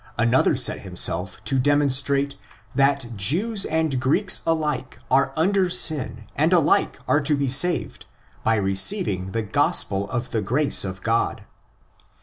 another set himself to demonstrate that Jews and Greeks alike are under sin and alike are to be saved by receiving the Gospel of the grace of God (i.